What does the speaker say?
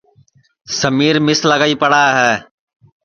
سمِیر مِس لگائی پڑا ہے